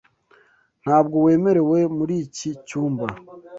Ntabwo wemerewe muri iki cyumba.